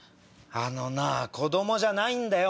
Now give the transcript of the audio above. あのなぁ子供じゃないんだよ